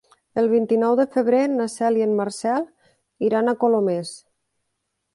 El vint-i-nou de febrer na Cel i en Marcel iran a Colomers.